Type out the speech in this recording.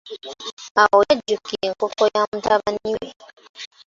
Awo yajjukila enkoko ya mutabani we.